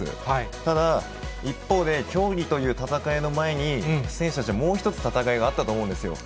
ただ、一方で、競技という戦いの前に選手たち、もう一つ戦いがあったと思うんですよ。